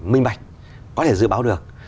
minh bạch có thể dự báo được